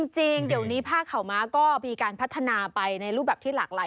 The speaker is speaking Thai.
จริงเดี๋ยวนี้ผ้าข่าวม้าก็มีการพัฒนาไปในรูปแบบที่หลากหลาย